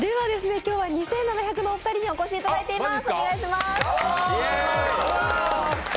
今日は２７００のお二人にお越しいただいています。